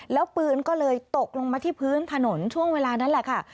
แล้วปืนก็เลยตกลงมาที่พื้นถนนช่วงเวลานั้นแหละค่ะ